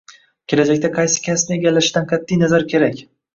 Kelajakda qaysi kasbni egallashidan qatʼiy nazar kerak